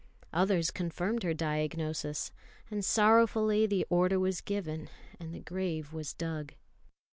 Others confirmed her diagnosis, and sorrowfully the order was given and the grave was dug.